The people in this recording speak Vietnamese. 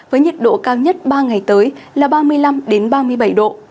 với nhiệt độ cao nhất ba ngày tới là ba mươi năm ba mươi bảy độ